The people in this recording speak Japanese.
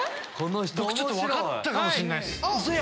僕分かったかもしれないです。